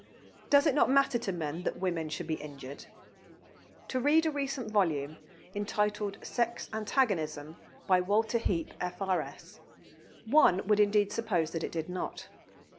Does it not matter to men that women should be injured? To read a recent volume, entitled Sex Antagonism, by Walter Heape, F.R.S., one would indeed suppose that it did not.